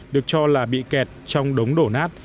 được cho là bị kẹt trong đống đổ nát